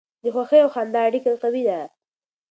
د خوښۍ او خندا اړیکه قوي ده.